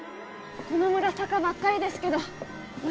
この村坂ばっかりですけど六